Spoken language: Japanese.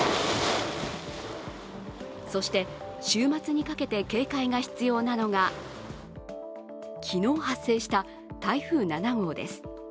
そして、週末にかけて警戒が必要なのが昨日発生した台風７号です。